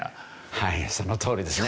はいそのとおりですね。